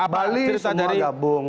bali semua gabung